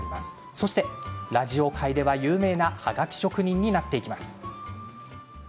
そしてラジオ界では有名なはがき職人になっていきます。